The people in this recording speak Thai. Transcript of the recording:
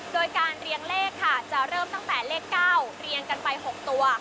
โดยการเรียงเลขค่ะจะเริ่มตั้งแต่เลข๙เรียงกันไป๖ตัว